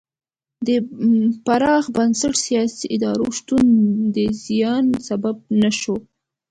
د پراخ بنسټه سیاسي ادارو شتون د زیان سبب نه شو.